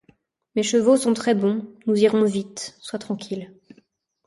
Mes chevaux sont très bons ; nous irons vite, sois tranquille.